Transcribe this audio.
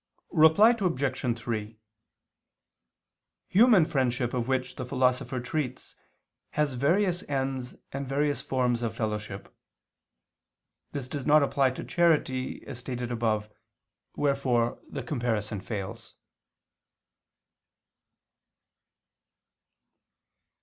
Reply Obj. 3: Human friendship of which the Philosopher treats has various ends and various forms of fellowship. This does not apply to charity, as stated above: wherefore the comparison fails.